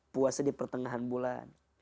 puasa di pertengahan bulan